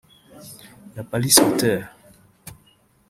La Palisse Hotel